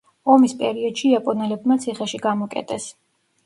ომის პერიოდში იაპონელებმა ციხეში გამოკეტეს.